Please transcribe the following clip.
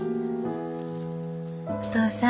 お父さん。